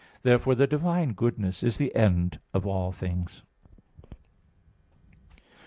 Therefore the divine goodness is the end of all things.